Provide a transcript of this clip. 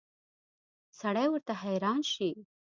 سړی ورته حیران شي.